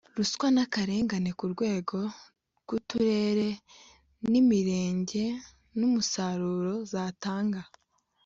ruswa n akarengane ku rwego rw Uturere n Imirenge n umusaruro zatanga